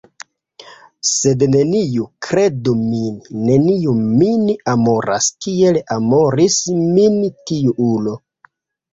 Sed neniu, kredu min, neniu min amoras kiel amoris min tiu ulo.